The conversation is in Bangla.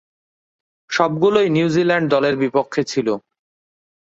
সবগুলোই নিউজিল্যান্ড দলের বিপক্ষে ছিল।